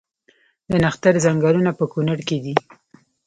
د نښتر ځنګلونه په کنړ کې دي؟